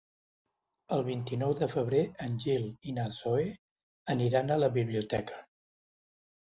El vint-i-nou de febrer en Gil i na Zoè aniran a la biblioteca.